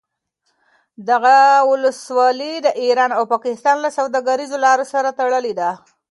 دغه ولسوالي د ایران او پاکستان له سوداګریزو لارو سره تړلې ده